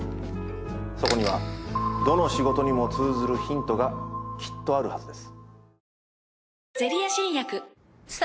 そこにはどの仕事にも通ずるヒントがきっとあるはずです。